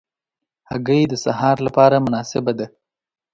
هګۍ د سهار له پاره مناسبه ده.